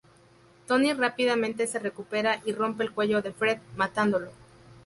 Tony rápidamente se recupera y rompe el cuello de Fred, matándolo.